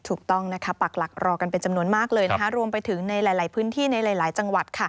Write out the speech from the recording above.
ปักหลักรอกันเป็นจำนวนมากเลยรวมไปถึงในหลายพื้นที่ในหลายจังหวัด